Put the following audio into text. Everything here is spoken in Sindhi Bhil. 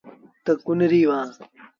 تا ڪنريٚ وهآن۔